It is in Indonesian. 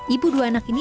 ibu dua anak ini